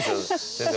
先生